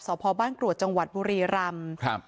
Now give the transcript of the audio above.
สบ้กลัวจังหวัดบุรีรำ